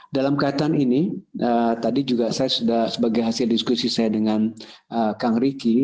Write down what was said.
dalam kaitan ini tadi juga saya sudah sebagai hasil diskusi saya dengan kang ricky